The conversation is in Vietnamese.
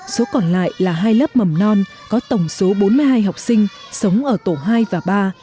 số còn lại là hai lớp mầm non có tổng số bốn mươi hai học sinh sống ở tổ hai và ba